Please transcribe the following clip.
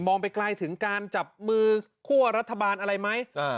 ไปไกลถึงการจับมือคั่วรัฐบาลอะไรไหม